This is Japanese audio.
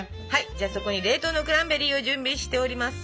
じゃあそこに冷凍のクランベリーを準備しております。